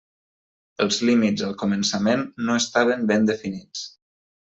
Els límits al començament no estaven ben definits.